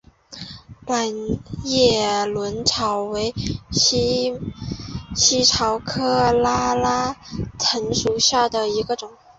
卵叶轮草为茜草科拉拉藤属下的一个种。